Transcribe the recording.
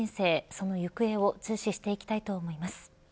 その行方を注視していきたいと思います。